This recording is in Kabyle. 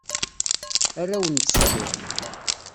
Arraw n tsekkurt.